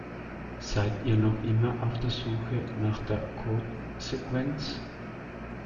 Seid ihr noch immer auf der Suche nach der Codesequenz?